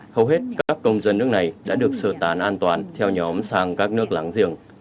hầu hết các công dân nước này đã được sơ tán an toàn theo nhóm sang các nước láng giềng